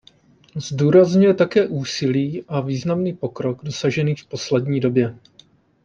Zdůrazňuje také úsilí a významný pokrok dosažený v poslední době.